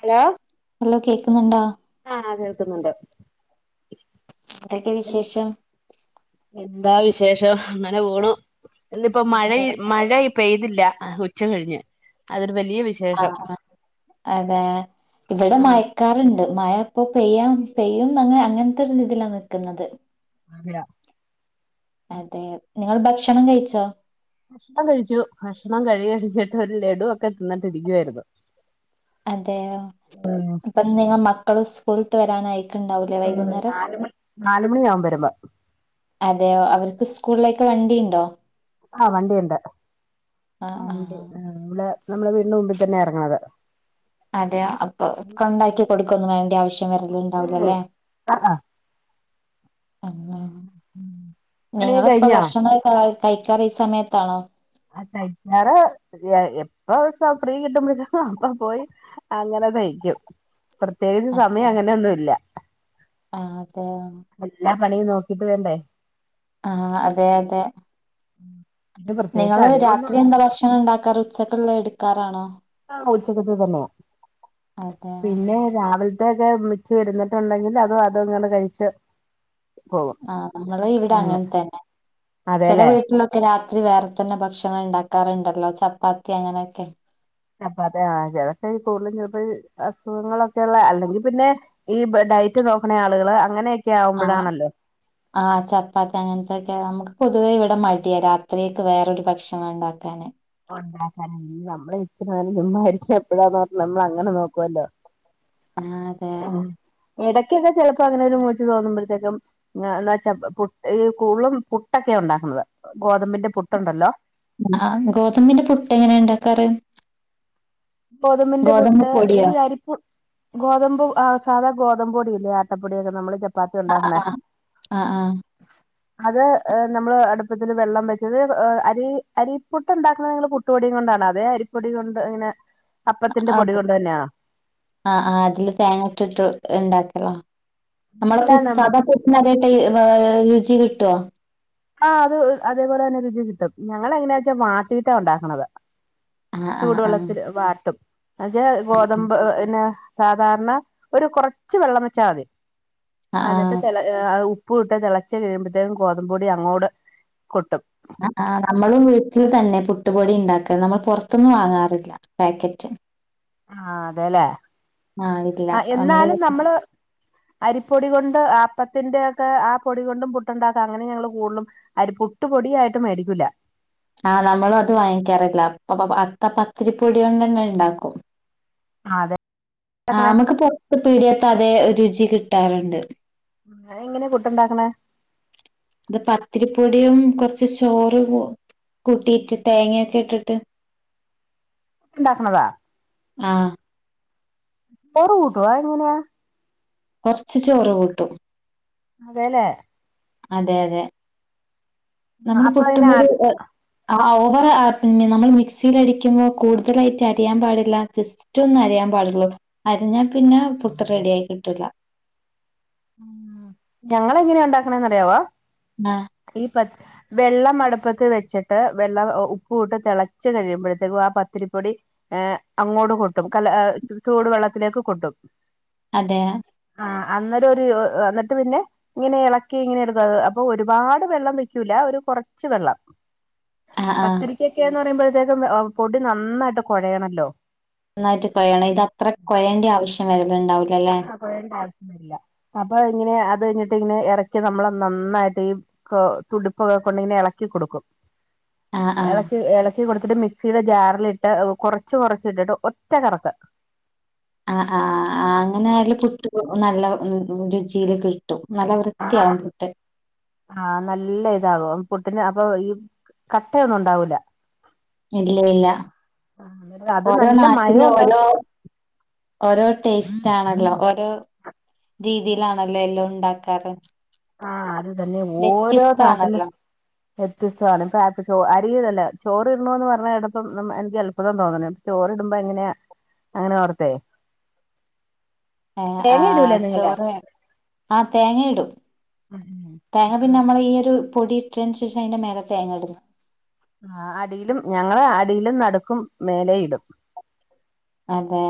Hello hello കേൾക്കുന്നുണ്ടാ ആഹ് കേൾക്കുന്നുണ്ട് എന്തോക്കെ വിശേഷം എന്താ വിശേഷം അങ്ങനെ പോണു ഇന്നിപ്പോ മഴെയ് മഴെയ് പെയ്തില്ല ഉച്ച കഴിഞ്ഞ് അതൊരു ബൽ ആ അതെ ഇവിടെ ഉം മയക്കാറ്ണ്ട് മയ ഇപ്പൊ പെയ്യാം പെയ്യും ന്നങ്ങ അങ്ങനത്തെ ഒരു രീതിയിലാ നിക്ക്ന്നത് ആഭിയാ അതെ നിങ്ങള് ഭക്ഷണം കയിച്ചോ ഭക്ഷണം കഴിച്ചു ഭക്ഷണം കഴി കഴിക ത് ഒരു ലെഡു ഒക്കെ തിന്നിട്ട് ഇരിക്കുവാരുന്നു അതെയോ ഇപ്പൊ നിങ്ങ മക്കള് സ്കൂൾ ത്ത് വരാനായി ക്ക് ഇണ്ടാവൂലെ വൈകുന്നേരം നാല് മണി നാല് മണിയാവും വരുമ്പോ അതേയോ അവർക്ക് സ്കൂളിലേ ക്ക് വണ്ടിയ്ണ്ടോ ആ വണ്ടിയൊണ്ട് ആ വണ്ടി ആ വള് നമ്മള് വീടിന് മുമ്പി തന്നെ എറങ്ങ്ണത് അതെ അപ്പൊ ക്കെഇണ്ടാക്കി കൊടുക്കൊന്നു വേണ്ട്യ ആവശ്യം വര്ല് ഇണ്ടാവൂലല്ലേ പണീക്ക കഴിഞ്ഞാ കൈക്കറി സമയത്താണോ ആ തൈക്കാറ് എ എപ്പം സൗ ഫ്രീ കിട്ടുമ്പൊളത്തപ്പൊ അപ്പം പോയി അങ്ങനെ തയ്ക്കും പ്രത്യേകിച്ച് സമയം അങ്ങനെ ഒന്നും ഇല്ല ആഹ് അതെ പണി നോക്കിട്ട് വേണ്ടേ ആഹ് അതെ അതെ എന്നെപറഞ്ഞ നിങ്ങള് രാത്രി എന്താ ഭക്ഷണം ഇണ്ടാക്കാറ് ഉച്ചക്കൊള്ള എട് ക്കാരാണോ ആ ഉച്ചകത്തെ തന്നോ അതെയോ പിന്നെ രാവിൽ ട്ടേജെ മിച്ച് വരുന്നിട്ടൊണ്ടെങ്കിൽ അതും അതും ഇങ്ങനെ കഴിച്ച് പോകും ആ നമ്മള് ഇവിടെ അങ്ങനെ തന്നെ ചെല അതെല്ലേ വീട്ടിലൊക്കെ രാ ത്തിരി വേറെ തന്നെ ഭക്ഷണം ഇണ്ടാക്കാറുണ്ടല്ലോ ചപ്പാത്തി അങ്ങനെയൊക്കെ ചപ്പാത്ത് ആ [unintelligible] അതൊക്കെ കൂടുതലും ചെലപ്പോ ഈ അസുഖങ്ങളൊക്കൊ ഒള്ള അല്ലെങ്കി പിന്നെ ഈ ഡയറ്റ് നോക്കണ ആളുകള് അങ്ങനെ ആ ആ ചപ്പാത്ത് അങ്ങനത്തൊക്കെ അമുക്ക് പൊതുവേ ഇവിടെ മടിയാ രാത്രിയേക്ക് വേറൊരു ഭക്ഷണം ഉണ്ടാക്കാന് ര നമ്മളെ ഇത്ര നിലം മുമയിരിക്കും എപ്പോഴാന്ന് പറഞ്ഞ നമ്മൾ അങ്ങനെ നോക്കുവല്ലോ ആ അതെ ആഹ് ഇടയ്ക്കൊക്കെ ചെിലപ്പോ അങ്ങനെൊ ഒരു മൂച്ച് തോന്നുമ്പോഴത്തേക്കും എാ വച്ചാ പു ഈ കൂടുതും പുട്ടൊക്കെ ഉണ്ടാക്കുന്നത് ഗോതമ്പിന്റെ പുട്ടുണ്ടല്ലോ ആ് ഗോതമ്പിന്റെ പുട്ട എങ്ങനെ ഉണ്ടാക്കാറ് ഗോതമ്പിന്റെ ഗോതമ്പ് പുട്ട് ഈ പൊടിയോ? അരിപ്പ് ഗോതമ്പ് സാധാരണ ഗോതമ്പ പൊടില്ല ആട്ടപ്പൊടൊക്കെ നമ്മള് ചപ്പാത്തി അ ഉണ്ടാക്കണേ അ അ അ അത് നമ്മള് അടുപ്പത്തിൽ വെള്ളം വെച്ചത് അരി അരിപ്പൊട്ട് ഉണ്ടാക്കണ നിങ്ങൾ പുട്ടുപൊടിയും കൊണ്ടാണ് അതെ അരിപ്പൊട കൊണ്ട് ഇങ്ങനെ അപ്പത്തിന്റെ പൊടി അതെ കൊണ്ട് തന്നെയാണോ ആ ആ അതില് തേങ്ങട്ടിട്ട് ഉണ്ടാക്കല നമ്മള അങ്ങനെയല്ല നമ്മ സാധാ പട്ട രുചി കിട്ടോ ആഹ് അത് അതേപോലെ തന്നെ രുചി കിട്ടും ഞങ്ങ എങ്ങനാ വെച്ചാ മാട്ടീട്ടാ ഉണ്ടാക്കണുന്നത് ആഹ് ആഹ് ചൂടുവെള്ളത്തിൽ ആഹ് വാട്ടും അതെ ഗോതമ്പ് പിന്നെ സാധാരണ ഒരു കുറച്ച് വെള്ളം വെച്ചാ മതി അ എന്നിട്ട് ആഹ് ചെല ആ ഉ പൂ ഇട്ട് തിളച്ച് കഴുമ്പത്തേക്കും ഗോതമ്പ് പൊടി അങ്ങോട് കൊട്ടും ആ നമ്മള് വീട്ടിൽ തന്നെ പുട്ടുപൊടി ഉണ്ടാക്ക നമ്മൾ പുറത്തൊന്നും വാങ്ങാറില്ല പാക്കറ്റ് ആ അതെല്ലേ ആ ഇല്ല നമ്മള് അരിപ്പൊടി കൊണ്ട് അപ്പത്തിന്റെയൊക്കെ ആ പൊടി കൊണ്ടും പുട്ടുണ്ടാക്കാം അങ്ങനെയ ഞങ്ങള് കൂടുതലും അരി പുട്ട് പൊടിയായിട്ട് മേടിക്കുല്ല ആ നമ്മളത് വാങ്ങിക്കാറില്ല അപ്പൊ അത്ത പത്തിരിപ്പൊടികൊണ്ട് തന്നെ ഉണ്ടാക്കും അതെ ആ നമുക്ക് പൊറത്ത് പീടിയത്തെ അതെ രുചി കിട്ടാറുണ്ട് നിങ്ങ എങ്ങനെയാ പുട്ടുണ്ടാക്കണേ ടെയും കൊറച്ച് ചോറ് കൂട്ടിയിട്ട് തേങ്ങയൊക്കെ ഇട്ടിട്ട് ണ്ടാക്കണതാ ആ ചോറ് കൂട്ടുവോ അതെങ്ങനെയ കുറച്ച്ചോറ് കൂട്ടും അതേലെ അതെ അതെ നമ്മള് അപ്പൊ പുട്ടും ഇങ്ങനെ പൊടി എ ആ ഓവർ ആ പിന്നെ നമ്മള് മിക്സിൽ അടിക്കുന്നെ കൂടുതലായിട്ടരയാൻ പാടില്ല. ജസ്റ്റൊന്ന് അരയാൻ പാടുള്ളൂ അരഞ്ഞാ പിന്നെ പുട്ട് റെഡി ആയി കിട്ടുല്ല ആ ഞങ്ങളെങ്ങനെയാ ഉണ്ടാക്കണേന്നറിയാവൊ ആ ഈ പത്ത് വെള്ളം അടുപ്പത്ത് വെച്ചിട്ട് വെള്ളം ഉപ്പുവിട്ട് തിളച്ച് കഴിയുമ്പോഴത്തേക്കും ആ പത്തിരിപ്പൊടി ഏ അങ്ങോട്ട് കൊട്ടും കല ആ ചൂടുവെള്ളത്തിലേക്ക് കൊട്ടും. അതെ ആ അന്ന ന്നിട്ടൊരു അന്നിട്ട്‌ പിന്നെ ഇങ്ങനെ ഇളക്കി ഇങ്ങനെ എടുത്തത് അപ്പൊ ഒരുപാട് വെള്ളം വെക്കൂല ഒരു കുറച്ച് വെള്ളം ആ ആ പത്തിരിക്കക്കെന്ന് പറയുമ്പോ തേക്കും പൊടി നന്നായിട്ട് കൊഴയണല്ലോ നന്നായിട്ട് കൊയണം ഇത് അത്ര കൊയേണ്ടി ആവശ്യം ശം വ രണ്ടാവിക്കല്ലേ ഒന്നുല്ല അപ്പൊ ഇങ്ങനെ അത്കഴിഞ്ഞിട്ടിങ്ങനെ ഇറക്കി നമ്മള് നന്നായിട്ടീ കൊ തുടിപ്പൊക്കെ കൊണ്ടിങ്ങനെ ഇളക്കി കൊടുക്കും. ആ ആ. എളക്ക് എള ക്കി കൊടുത്തിട്ട് മിക്സിടെ ജാറിലിട്ട് കുറച്ച് കൊറച്ചിട്ടിട്ട് ഒറ്റ കറക്ക് ആ ആ അ ആഹ് അങ്ങനെ ആയാലും പുട്ടിക് നല്ലത് രുചീല് കഴി ആഹ് നല്ല ഇതാവോ അഹ് പുട്ടിന് അപ്പൊ ഈ കട്ടയൊന്നും ഉണ്ടാവൂല ഇല്ല ഇല്ല അത് ഓരോ നല്ല മയം നാട്ടിലു ഉണ്ടാവും ഓരോ ഓരോ ടേസ്റ്റ് ആണല്ലോ ഓരോ രീതിയിലാണല്ലോ എല്ലാം ഉണ്ടാക്കാറ് ആഹ് അത് തന്നെ ഓരോ നാട്ടിലും വ്യത്യസ്താണല്ലോ. വ്യത്യസ്ത്ത്വാണ് ഇപ്പ [unintelligible] അരിയതല്ല ചോറി ഇരണന്ന് പറഞ്ഞ ഏടെപ്പം എൻക്ക് അല്ഭുതം തോന്ന്ണ് ചോറിടുമ്പോ എങ്ങെന അങ്ങനെ ഓർത്തേ ഏഹ് തേങ്ങ ആഹ് ഇടൂലേ നിങ്ങള് ചോറ് ആഹ് തേങ്ങ ഇടും [unintelligible] നമ്മൾ ഈ ഒരു പൊടിയിട്ടന് ശേഷം അതിന്റെ മേലത്തെ തേങ്ങ ഇടുന്ന ആ അടിയിലും ഞങ്ങള് അടിയിലും നടുക്കും മേലെയിടും അതെ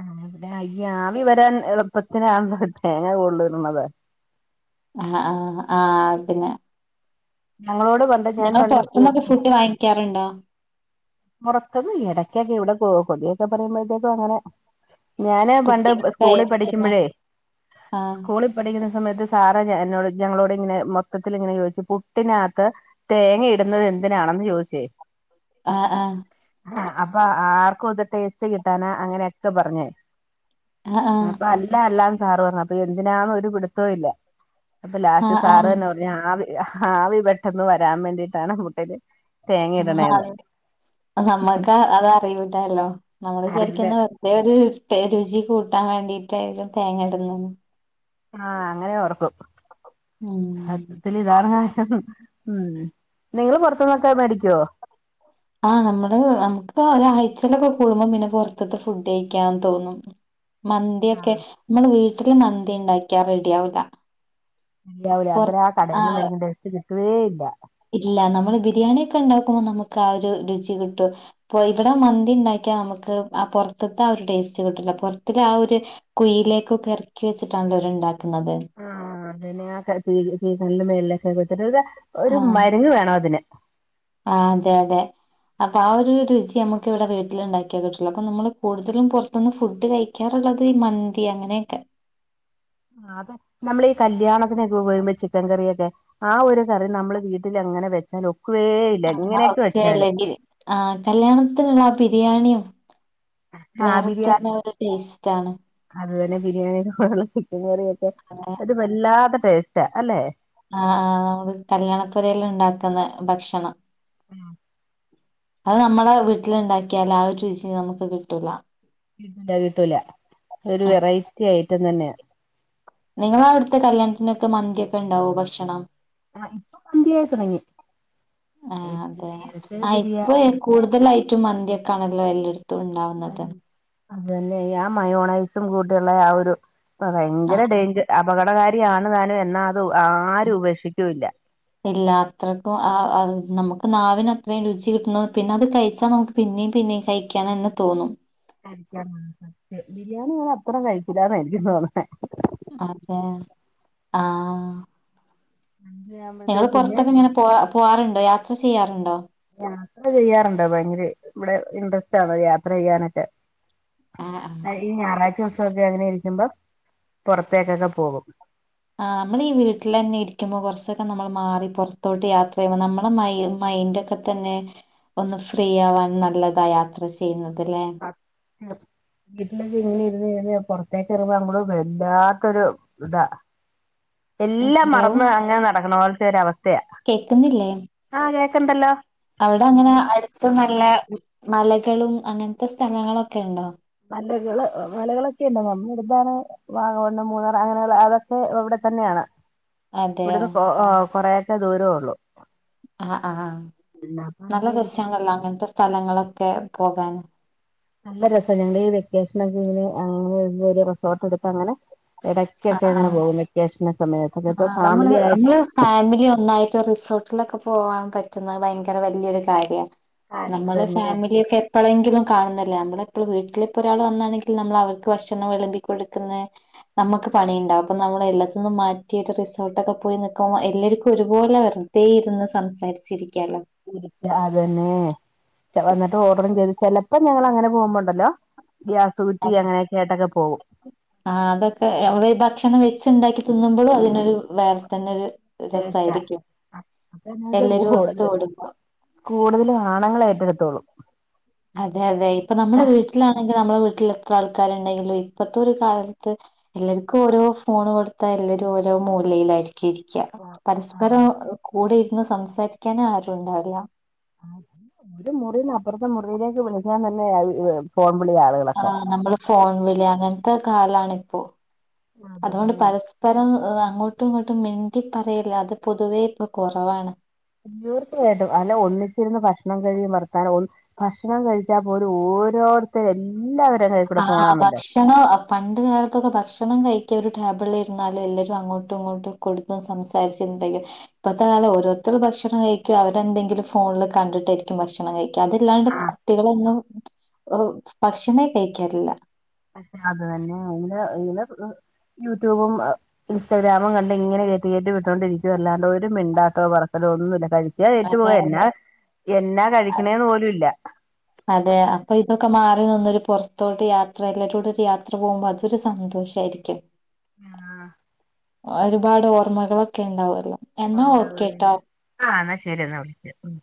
ആ പിന്നെ അയ്യ ആവി വരാൻ എളുപ്പത്തിൽ ആണല്ലോ തേങ്ങ കൂടുതലിടുന്നത് ആ ആഹ് ആ അതിന്നെ ഞങ്ങളോട് പണ്ട് ഞാൻ [unintelligible] പണ്ട് സ്കൂൾ പൊറത്തന്നൊക്കെ ഫുഡ് വാങ്ങിക്കാറുണ്ടോ? [unintelligible] എടക്കൊക്കെ എവിടെ പോകും പൊതിയൊക്കെ പറയുമ്പോഴത്തേക്കും അങ്ങനെ ഞാന് പണ്ട് സ്കൂളിൽ കുട്ടികൾക്കായിരിക്കുന്ന പഠിക്കുമ്പഴേ ആ സ്കൂളിൽ പഠിക്കുന്ന സമയത്ത് സാറോട് ഞങ്ങളോട് ഇങ്ങനെ മൊത്തത്തിൽ ഇങ്ങനെ ചോദിച്ചു പുട്ടിനകത്ത് തേങ്ങ ഇടുന്നത് എന്തിനാണന്ന് ചോദിച്ചേ അ ആ ആ അപ്പൊ ആർക്കും ഇത് ടേസ്റ്റ് കിട്ടാനാ അങ്ങനെയൊക്കെ പറഞ്ഞേ ആ അപ്പൊ ആ അല്ല അല്ലാ സാറ് പറഞ്ഞ് അപ്പൊ എന്തിനാന്ന് ഒരു പിടുത്തവും ഇല്ല അപ്പൊ ആ ലാസ്റ്റ് ആ സാറ് തന്നെ പറഞ്ഞ ആവി ആവി പെട്ടെന്ന് വരാൻ വേണ്ടിട്ടാണ് മുട്ടയില് തേങ്ങ ഇടണേന്ന് നമ്മുക്ക് അത് അറിയൂലല്ലോ നമ്മള് അറിവില് വിചരിക്കുന്ന വെറുതെ ഒരു രുചി കൂട്ടാൻ വേണ്ടിട്ട് ഇത് തേങ്ങടുന്ന ആ അങ്ങനെ ഓറക്കും ഉം അ തലദാരങ്ങ [unintelligible] ഉം നിങ്ങള് പുറത്തന്നോക്കെ മേടിക്കുവോ? ആ നമ്മള് നമുക്ക് ഒരാഴ്ചയിലൊക്കെ കൂടുമ്പോം പിന്നെ പുറത്തത്തെ ഫുഡ് കഴിക്കാന്ന് തോന്നും മന്തി ഒക്കെ ആഹ് നമ്മൾ വീ [unintelligible] മന്തി ഉണ്ടാക്കിയാ റെഡി ആവല രിയാവുല ഇൻതിരാ കടെന്ന് മേടിക്ണ്ട് വേ ഇല്ല ഇല്ല നമ്മള് ബിരിയാണി ഒക്കെ ഇണ്ടാക്കുമ്പോ നമുക്ക് ആ ഒരു രുചി കിട്ടും. ഇപ്പ ഇവിടെ മന്തി ഇണ്ടാക്കിയാ നമുക്ക് ആ പോർത്ത്ത്തെ ആ ഒരു ടേസ്റ്റ് കിട്ടൂല്ല. പോർത്ത്ല് ആ ഒരു കുയ്ലേക്കൊക്കെ എർക്കി വെച്ചിട്ടാണല്ലോ ഓല്ണ്ടാ ആഹ് അതനെ [unintelligible] [unintelligible] ഒരു ആഹ് മര്ങ്ങ് വേണം അതിന് ആഹ് അതെ അതെ അപ്പ ആ ഒര് രുചി നമ്മക്ക് ഇവിടെ വീട്ട്ല് ഇണ്ടാക്കിയാ കിട്ടുല്ല. അപ്പ നമ്മള് കൂടുതലും പോർത്തുന്ന് ഫുഡ് കഴിക്കാറുള്ളത് ഈ മന്തി അങ്ങനെയൊക്കെ ആ അതെ നമ്മളീ ഈ കല്യാണം [unintelligible] ചിക്കൻ കറിയൊക്കെ ആ ഒരു കറി നമ്മള് വീട്ടിൽ അങ്ങനെ വെച്ചാ ഒക്കും ഓക്കേ ആക്കെല്ലങ്കി ആ കല്യാണത്തിനുള്ള ബിരിയാണിയും ആഹ് വേറെ ബിരിയാണി തന്നെ ഒരു ടേസ്റ്റ് ആണ് അത് തന്നെ ബിരിയാണിയുടെ ബഹളം ചിക്കൻ കറിയൊക്കെ ഒരു വല്ലാതെ - ടേസ്റ്റ് അല്ലേ ആ അത് കല്യാണപ്പുരല് ഉണ്ടാക്കുന്ന ഭക്ഷണം ഉഹ [unintelligible] അത് നമ്മുടെ വീട്ടില് ഉണ്ടാക്കിയാല് ആ ഒരു രുചി നമുക്ക് കിട്ടൂല ഇല്ല കിട്ടൂല ഒരു വെറൈറ്റി ആയിട്ട് തന്നെയാ നിങ്ങള് അവിടുത്തെ കല്യാണത്തിനൊക്കെ മന്തിയൊക്കെ ഉണ്ടാവും ഭക്ഷണം ആ ഇപ്പൊ മന്തിയായി തുടങ്ങി ആഹ് അതെ നേരത്തെ ബിരിയാണി കാണല്ലോ എൽ ഉണ്ടാവുന്നത് അത് തന്നെ ആ മയോണൈസും കൂട്ടിയുള്ള ആ ഒരു ഭയങ്കര ആഹ് ഡെയിഞ്ചർ അപകടകാരിയാണ് താനും ണം എല്ലാത്രക്കും ആ നമുക്ക് നാവിന് അത്രയും രുചി കിട്ടുന്നു പിന്നെ അത് കഴിച്ചാ നമുക്ക് പിന്നെയും പിന്നെയും കഴിക്കാന്നന്ന് തോന്നും കഴിക്കാേ ബിരിയാണി ഞാൻ അത്രം കഴിക്കില്ലാന്ന എനിക്ക് തോന്നെ അതെ ആ നിങ്ങള് ആകുമ്പോഴത്തേക്ക് പിന്നെ പുറത്തൊക്കെ ഇങ്ങനെ പോ പോകാറുണ്ടോ യാത്ര യാത്ര ചെയ്യാറുണ്ടോ യാത്ര ചെയ്യാറുണ്ട് ഭയങ്കര ഇവിടെ ഇൻട്രസ്റ്റ് ആണ് യാത്ര ചെയ്യാനൊക്കെ ആഹ് ആഹ് അ ഈ ഞായറാഴ്ച വെറുതെ അങ്ങനെ ഇരിക്കുമ്പം പുറത്തേക്കൊക്കെ പോകും ആ നമ്മള് ഈ വീട്ടിൽ തന്നെ ഇരിക്കുമ്പോൾ കുറച്ചൊക്കെ നമ്മൾ മാറി പുറത്തോട്ട് യാത്ര ചെയ്യുമ്പോൾ നമ്മള് മ മൈൻഡൊക്കെ തന്നെ ഒന്ന് ഫ്രീ ആവാൻ നല്ലതാ യാത്ര ചെയ്യുന്നത് വീട്ടിലൊക്കെ ഇങ്ങനെ ഇരുന്ന് പൊറത്തേക്ക് എറങ്ങുമ്പം നമ്മള് വേല്ലാത്തൊരു ഇതാ എല്ലാം ഹലോ മറന്ന് അങ്ങനെ നടക്കണ പോലത്തെ ഒരു അവസ്ഥ കേക്കുന്നില്ലേ ആഹ് കേക്ക്ണ്ടല്ലോ അവിടെ അങ്ങനെ അടുത്ത് നല്ല മലകളും അങ്ങനത്തെ സ്ഥലങ്ങളൊക്കെ ഉണ്ടോ മലകള് മലകളൊക്കെ ഉണ്ട് നമ്മുടെടുതാണ് വാഗവൺ മൂന്നാർ അങ്ങനെയുള്ള അതൊക്കെ ഇവിടെ തന്നെയാണ് അതെയോ ഇവിടുന്ന് കൊറെ കുറച്ച് ദൂരേ ഉള്ളൂ ആ ആ അപ്പൊ നല്ല അങ്ങനെ ഇരിക്കുന്നു രസാണല്ലാം അങ്ങനത്തെ സ്ഥലങ്ങളൊെ ഒക്കെ പോകൻ നല്ല രസ ഞങ്ങള് ഈ വെക്കേഷനൊക്കെ ഇങ്ങനെ റിസോർട്ട് എടുത്ത് അങ്ങനെ ആ ഇടയ്ക്കൊക്കെ ആ അങ്ങനെ പോകും വെക്കേഷന്റെ സമയത്തൊക്കെ ആ ഇപ്പൊ നമ്മള് ഫാമിലി ആയിട്ട് നമ്മള് ഫാമിലി ഒന്നായിട്ട് റിസോർട്ടിലൊക്കെ പോകാൻ പറ്റുന്നത് ഭയങ്കര വലിയൊരു കാര്യമാണ് നമ്മള് അതന്നെ ഫാമിലിയൊക്കെ എപ്പോഴെങ്കിലും കാണുന്നില്ലേ നമ്മുടെ ഇപ്പോൾ വീട്ടിലിപ്പോ ഒരാൾ വന്നാണെങ്കിൽ നമ്മൾ അവർക്ക് ഭക്ഷണം വിളമ്പി കൊടുക്കുന്ന നമുക്ക് പണിയുണ്ടാവും അപ്പ നമ്മൾ എല്ലാത്തി നിന്നും മാറ്റിയിട്ട് റിസോർട്ടൊക്കെ പോയി നിൽക്കുമ്പോൾ എല്ലാവർക്കും ഒരുപോലെ വെറുതെ ഇരുന്ന് സംസാരിച്ചിരി ഇരിക്കാ അത് തന്നെ ഓർഡറും ചെയ്ത് ചിലപ്പോ ഞങ്ങൾ അങ്ങനെ പോകുമ്പോണ്ടല്ലോ ഗ്യാസ് കുറ്റി അങ്ങനെയൊക്കെ ആയിട്ടൊക്കെ പോകും ആ അതൊക്കെ നമ്മള് ഈ ഭക്ഷണം വെ- ഉണ്ടാക്കി തിന്നുമ്പോഴും അതിനൊരു വേറെ തന്നെ ഒരു- തേച്ച രസായിരിക്കും അപ്പാ [unintelligible] എല്ലാരും ച്ചാത് ഒത്തുകൂടുമ്പോ കൂടുതലും ആണ്ണുങ്ങൾ ആയിരിക്കും എടുത്തോളൂ അതെ അതെ ഇപ്പ നമ്മുടെ വീട്ടിലാണെങ്കി നമ്മെ വീ ട്ടിൽ എത്ര ആൾക്കാരുണ്ടെങ്കിലും ഇപ്പത്തെ ഒരു കാലത്ത് എല്ലാവർക്കും ഓരോ ഫോൺ കൊടുത്താ എല്ലരും ഓരോ മൂലയിലായിരിക്കും രിക്ക ആ ആ പരസ്പരം കൂടെ ന്ന് സംസാരിക്കാന ആരുംണ്ടാവുല ആഹ് ഒരു മുറി [unintelligible] മുറിയിലേക്ക് ഞാൻ തന്നെ വിളിയാ ആളുകളൊക്കെ ആഹ് നമ്മള് ഫോൺ വിളി അങ്ങത്തെ കാലാണി ഇപ്പോ അതുകൊണ്ട് അതന്നെ പരസ്പരം അങ്ങോട്ടും ഇങ്ങോട്ടും ട്ടി പറയില്ല അത് പൊതുവേ ഇപ്പൊ കുറവാണ് ർത്തിയായിട്ടും അല്ല ഒണിച്ചിരുന്ന് ഭക്ഷണം കഴു ഭക്ഷണം കഴിച്ചാൽ പോലും ഓരോരുത്തും എല്ലാവ ആ ഭക്ഷണോ പണ്ട്കാലത്തൊക്കെ ഭക്ഷ ഭക്ഷണം കഴിക്കുക ഒരു ടേബിളിൽ ഇരുന്നാലും എല്ലാവരും അങ്ങോട്ടും ഇങ്ങോട്ടും കൊടുത്ത സംസാരിട്ടുണ്ടെങ്കിൽ ഇപ്പഴത്തെ കാലം ഓരോരുത്തർ ഭക്ഷണം കഴിക്കും അവരെന്തെങ്കിലും ഫോണിൽ കണ്ടിട്ടായിരിക്കും ഭക്ഷണം കഴിക്കുക അതില്ലാണ്ട് ആ, കുട്ടികളൊന്നും ഭക്ഷണേ കഴി ക്കില്ല പക്ഷെ അത് തന്നെ ഇല ഇലെ യൂട്യൂബും ഇൻസ്റ്റാഗ്രാമും കണ്ട് ഇങ്ങനെ കയറ്റ കയറ്റി വിട്ടുകോണ്ടിരിക്കുക അല്ലാണ്ട് ഒരു മിണ്ടാട്ടോ പറത്തലോ ഒന്നും ഇല്ല കഴി ഏറ്റ് പോവ അതെ എന്നാ അതെ എന്നാ കഴിക്കണേന്ന് പോലും. ഇല്ല അതെയാ അപ്പൊ ഇതൊക്കെ മാറി നിന്നൊരു പൊറത്തോട്ട് യാത്ര എല്ലാരൂടെ ഒരു യാത്ര പോകുമ്പോ അതൊരു സന്തോഷായിരിക്കും. ആഹ് ഒരുപാട് ഓർമ്മകളൊക്കെ ഉണ്ടാവുല്ലോ [unintelligible] ആ എന്നാ ശരി എന്നാ വിളിച്ചതിന്